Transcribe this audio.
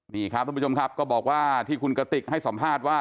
นี่ครับทุกผู้ชมครับก็บอกว่าที่คุณกติกให้สัมภาษณ์ว่า